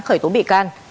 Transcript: khởi tố bị can